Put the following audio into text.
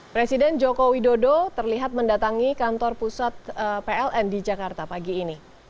presiden joko widodo terlihat mendatangi kantor pusat pln di jakarta pagi ini